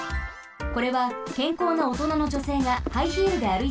これはけんこうなおとなのじょせいがハイヒールで歩いた速さです。